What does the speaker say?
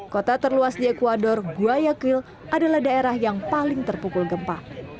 kota terluas di ecuador guayakril adalah daerah yang paling terpukul gempa